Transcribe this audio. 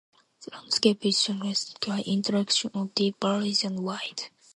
The landscape is characterized by intercalation of deep valleys and wide.